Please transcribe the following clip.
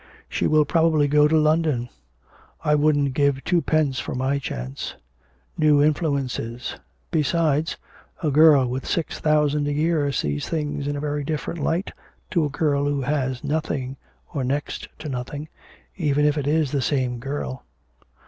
She will probably go to London. I wouldn't give two pence for my chance. New influences! Besides, a girl with six thousand a year sees things in a very different light to a girl who has nothing, or next to nothing, even if it is the same girl.